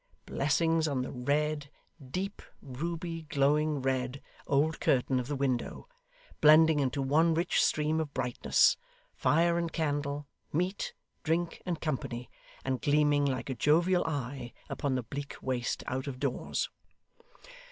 Blessings on the red deep, ruby, glowing red old curtain of the window; blending into one rich stream of brightness, fire and candle, meat, drink, and company, and gleaming like a jovial eye upon the bleak waste out of doors!